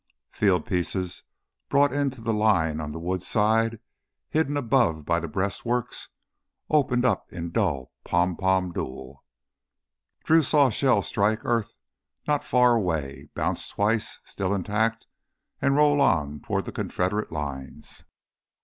Fieldpieces brought into line on the woods side, hidden above by the breastworks, opened up in a dull pom pom duel. Drew saw a shell strike earth not far away, bounce twice, still intact, and roll on toward the Confederate lines.